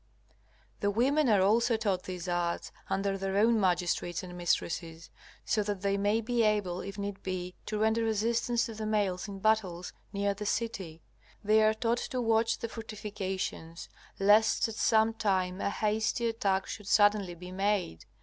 The women also are taught these arts under their own magistrates and mistresses, so that they may be able if need be to render assistance to the males in battles near the city. They are taught to watch the fortifications lest at some time a hasty attack should suddenly be made.